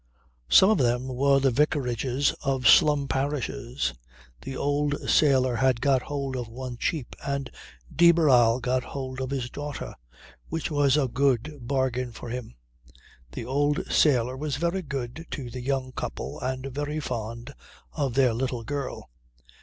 Some of them were the vicarages of slum parishes. The old sailor had got hold of one cheap, and de Barral got hold of his daughter which was a good bargain for him. The old sailor was very good to the young couple and very fond of their little girl.